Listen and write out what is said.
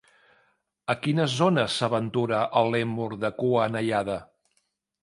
A quines zones s'aventura el lèmur de cua anellada?